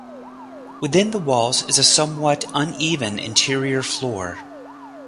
Within the walls is a somewhat uneven interior floor.